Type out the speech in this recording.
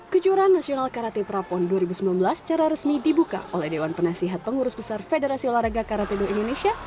kejuaraan nasional karate prapon dua ribu sembilan belas secara resmi dibuka oleh dewan penasihat pengurus besar federasi olahraga karate indonesia